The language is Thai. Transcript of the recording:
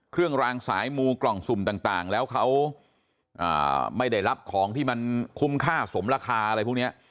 เครื่องรางสายมูกล่องสุ่มต่างแล้วเขาไม่ได้รับของที่มันคุ้มค่าสมราคาอะไรพวกนี้